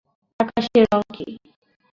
আকাশের রঙ কী?